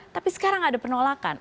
tapi sekarang ada penolakan